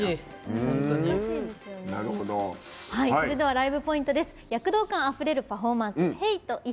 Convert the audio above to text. ライブポイントです。